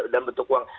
dan bentuk uang